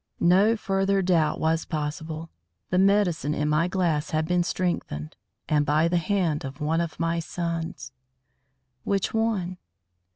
No further doubt was possible. The medicine in my glass had been strengthened and by the hand of one of my sons. Which one?